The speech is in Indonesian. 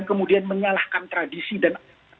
kemudian menyalahkan tradisi dan